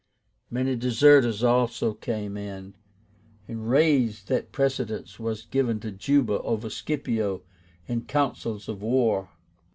Many deserters also came in, enraged that precedence was given to Juba over Scipio in councils of war.